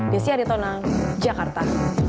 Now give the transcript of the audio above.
desya aritona jakarta